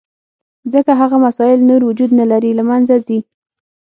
ځکه هغه مسایل نور وجود نه لري، له منځه ځي.